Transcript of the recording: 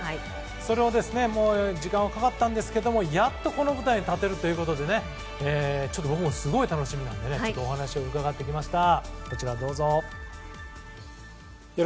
それで、時間はかかったんですがやっと、この舞台に立てるということで僕もすごい楽しみなのでお話を伺ってきました。